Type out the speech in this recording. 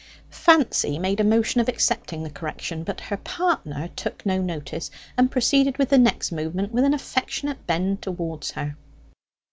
Fancy made a motion of accepting the correction; but her partner took no notice, and proceeded with the next movement, with an affectionate bend towards her.